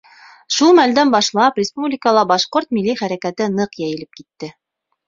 Шул мәлдән башлап республикала башҡорт милли хәрәкәте ныҡ йәйелеп китте.